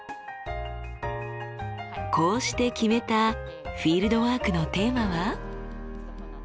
こうして決めたフィールドワークのテーマは？